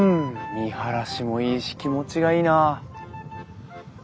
見晴らしもいいし気持ちがいいな。